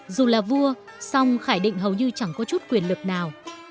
dù là vua song khải định hầu như chẳng có chút quyền lực nào